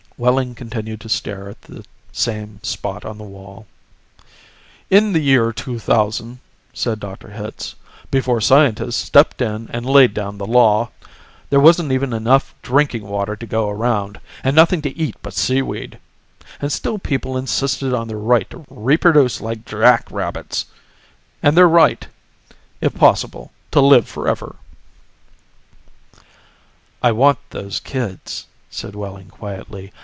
Wehling continued to stare at the same spot on the wall. "In the year 2000," said Dr. Hitz, "before scientists stepped in and laid down the law, there wasn't even enough drinking water to go around, and nothing to eat but sea weed and still people insisted on their right to reproduce like jackrabbits. And their right, if possible, to live forever." "I want those kids," said Wehling quietly.